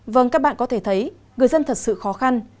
vâng các bạn có thể thấy người dân thật sự khó khăn